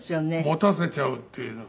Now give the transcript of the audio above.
もたせちゃうっていうのが。